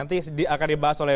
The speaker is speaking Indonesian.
nanti akan dibahas oleh